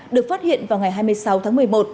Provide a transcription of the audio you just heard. được phát hiện vào ngày hai mươi sáu tháng một mươi một